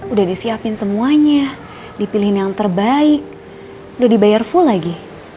udah disiapin semuanya dipilihin yang terbaik udah dibayar full lagi